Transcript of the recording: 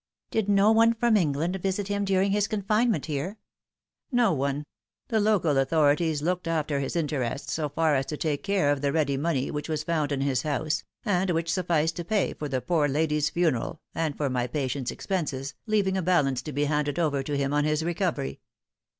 " Did no one from England visit him during his confinement here ?"" No one. The local authorities looked after his interests so far as to take care of the ready money which was found in his house, and which sufficed to pay for the poor lady's funeral and for my patient's expenses, leaving a balance to be handed over to him on his recovery.